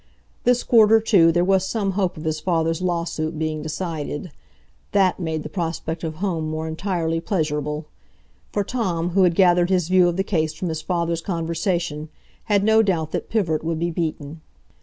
This quarter, too, there was some hope of his father's lawsuit being decided; that made the prospect of home more entirely pleasurable. For Tom, who had gathered his view of the case from his father's conversation, had no doubt that Pivart would be beaten.